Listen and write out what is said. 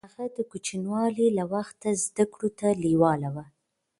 هغه د کوچنيوالي له وخته زده کړو ته لېواله و.